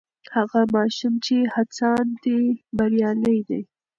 هغه ماشوم چې هڅاند دی بریالی دی.